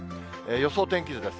予想天気図です。